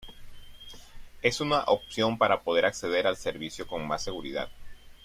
es una opción para poder acceder al servicio con más seguridad